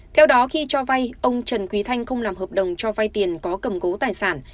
theo đó khi cho vay ông trần quý thanh không làm hợp đồng cho vay tiền có cầm cố tài sản